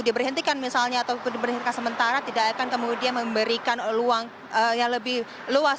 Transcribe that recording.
diberhentikan misalnya atau diberhentikan sementara tidak akan kemudian memberikan ruang yang lebih luas